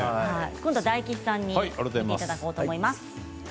今度は大吉さんに見ていただこうと思います。